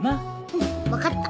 うん分かった。